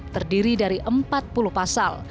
terdiri dari empat puluh pasal